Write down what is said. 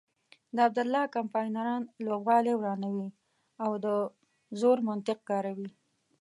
د عبدالله کمپاینران لوبغالی ورانوي او د زور منطق کاروي.